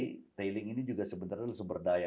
jadi tailing ini juga sebenarnya sumber daya